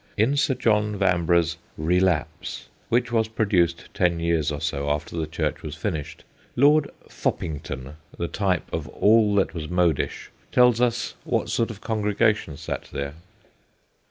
In Sir John Vanbrugh's Relapse, which was pro duced ten years or so after the church was finished, Lord Foppington, the type of all that was modish, tells us what sort of con gregation sat there.